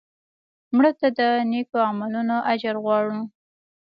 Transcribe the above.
مړه ته د نیکو عملونو اجر غواړو